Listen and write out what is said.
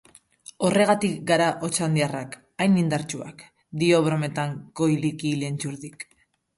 Horregatik gara otxandiarrak hain indartsuak, dio brometan Koikili Lertxundik.